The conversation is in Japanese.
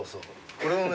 これもね